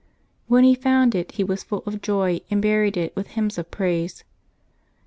When he found it he was full of joy, and buried it, with hymns of praise.